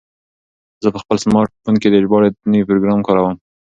زه په خپل سمارټ فون کې د ژباړې نوی پروګرام کاروم.